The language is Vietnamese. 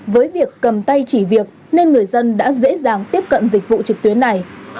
với việc cầm tay chỉ việc nên người dân đã dễ dàng tiếp cận dịch vụ trực tuyến này